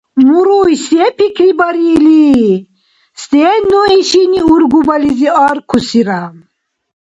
Муруй се пикрибарили? Сен ну ишини ургубализи аркусира?